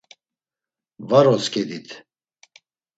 Var, otzǩedit.